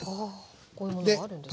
こういうものがあるんですね。